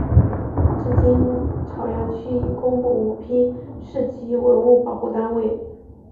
至今潮阳区已公布五批市级文物保护单位。